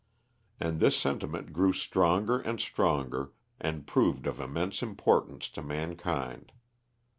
And this sentiment grew stronger and stronger, and proved of immense importance to mankind.